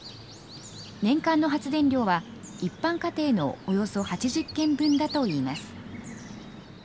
年間の発電量は一般家庭のおよそ８０軒分だといいます。